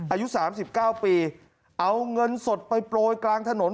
อายุสามสิบเก้าปีเอาเงินสดไปโปรยกลางถนน